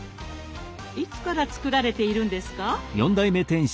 いつから作られているんですか？